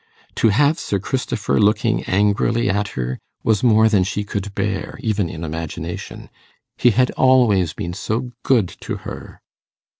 To have Sir Christopher looking angrily at her, was more than she could bear, even in imagination. He had always been so good to her!